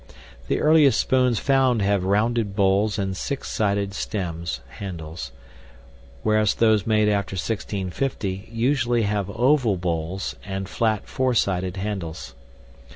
The earliest spoons found have rounded bowls and 6 sided stems (handles), whereas those made after 1650 usually have oval bowls and flat, 4 sided handles.